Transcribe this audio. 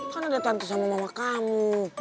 kan ada tante sama mama kamu